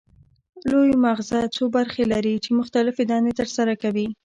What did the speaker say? لوی مغزه څو برخې لري چې مختلفې دندې ترسره کوي